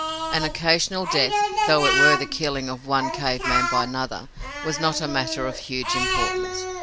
An occasional death, though it were the killing of one cave man by another, was not a matter of huge importance.